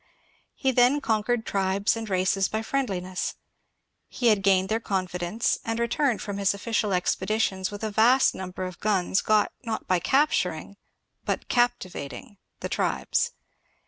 He then conquered. tribes and races by friendliness ; he had gained their confidence, and returned from his ofiBcial expeditions with a vast niunber of guns got not by capturing but captivating the tribes.